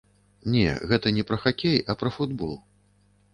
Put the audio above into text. Не, гэта не пра хакей, а пра футбол.